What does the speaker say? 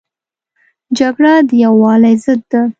جګړه د یووالي ضد ده